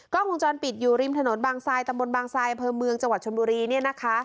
กล้องวงจรปิดอยู่ริมถนนบางซายตำบลบางทรายอำเภอเมืองจังหวัดชนบุรีเนี่ยนะคะ